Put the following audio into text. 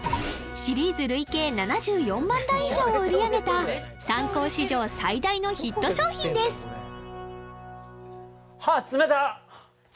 シリーズ累計７４万台以上を売り上げたサンコー史上最大のヒット商品ですはあ冷たっ冷